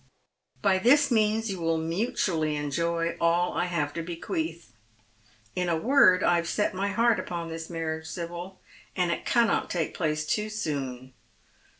By this means you will mutually enjoy all I have to bequeath. In a word, I have set my heart upon this marriage, Sibyl, and it cannot take place too soon.